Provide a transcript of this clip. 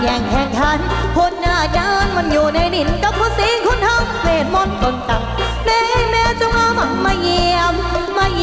มันวาดเท้าใจมันวาดเท้าใจสาโทษกาเสียมว่า